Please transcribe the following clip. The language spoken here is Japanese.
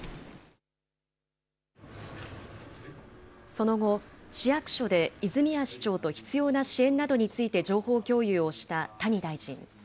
その後、市役所で泉谷市長と必要な支援などについて情報共有をした谷大臣。